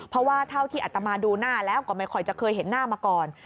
เพราะว่าเท่าที่อัตมาดูหน้าแล้วก็ไม่ค่อยจะเคยเห็นหน้ามาก่อน